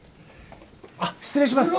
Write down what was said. あっ失礼します。